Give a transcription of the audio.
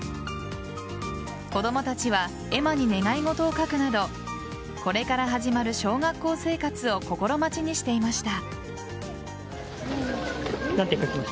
子供たちは絵馬に願い事を書くなどこれから始まる小学校生活を心待ちにしていました。